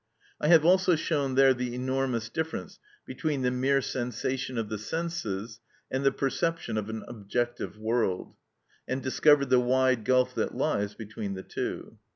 I have also shown there the enormous difference between the mere sensation of the senses and the perception of an objective world, and discovered the wide gulf that lies between the two.